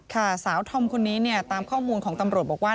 ค่ะสาวธอมคนนี้เนี่ยตามข้อมูลของตำรวจบอกว่า